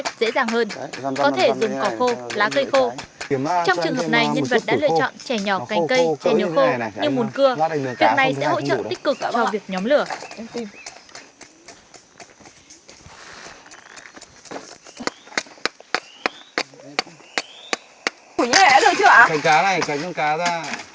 cá này cá ra